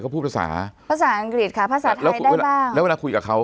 เขาพูดภาษาภาษาอังกฤษค่ะภาษาไทยได้บ้างแล้วเวลาคุยกับเขา